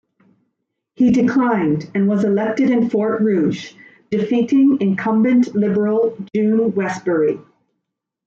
He declined and was elected in Fort Rouge, defeating incumbent Liberal June Westbury.